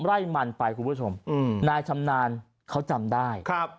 ไล่มันไปคุณผู้ชมอืมนายชำนาญเขาจำได้ครับ